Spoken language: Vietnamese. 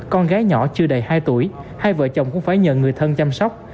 con gái nhỏ chưa đầy hai tuổi hai vợ chồng cũng phải nhờ người thân chăm sóc